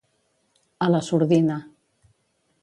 A la sordina.